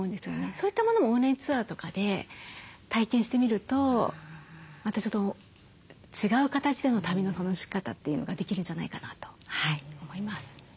そういったものもオンラインツアーとかで体験してみるとまたちょっと違う形での旅の楽しみ方というのができるんじゃないかなと思います。